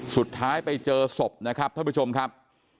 สุดท้ายไปเจอศพนะครับท่านผู้ชมครับ